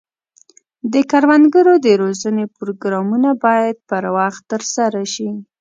د کروندګرو د روزنې پروګرامونه باید پر وخت ترسره شي.